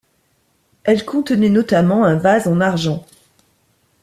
Elle contenait notamment un vase en argent.